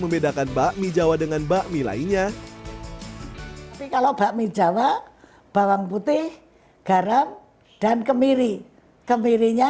membedakan bakmi jawa dengan bakmi lainnya tapi kalau bakmi jawa bawang putih garam dan kemiri kemirinya